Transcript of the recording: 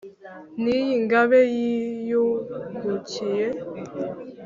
n' iyindi ngabe yiyungukiye